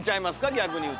逆にいうと。